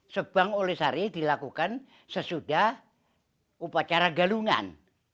sebang oleh sari dilakukan sesudah upacara galungan